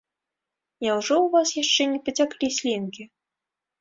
Няўжо ў вас яшчэ не пацяклі слінкі?